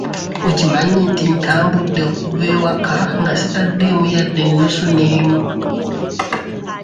Okimanyi nti ntambudde okuva ewaka nga sitaddeemu yadde nnusu n'emu?